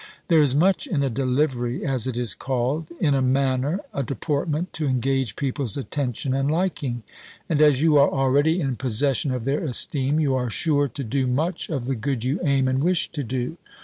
There is much in a delivery, as it is called, in a manner, a deportment, to engage people's attention and liking; and as you are already in possession of their esteem, you are sure to do much of the good you aim and wish to do.